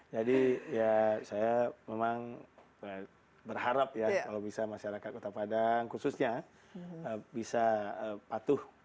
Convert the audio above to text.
jadi saya memang berharap kalau bisa masyarakat kota padang khususnya bisa patuh